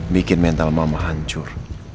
bikin mental mama hancur